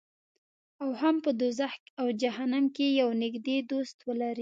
او هم په دوزخ او جهنم کې یو نږدې دوست ولري.